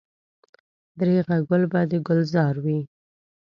درېغه ګل به د ګلزار وي.